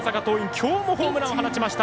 今日もホームランを放ちました。